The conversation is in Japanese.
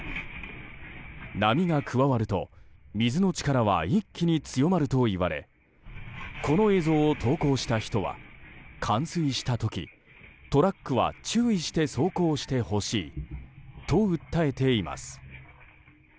波が加わると水の力は一気に強まるといわれこの映像を投稿した人は冠水した時トラックは注意して走行してほしいと訴えています。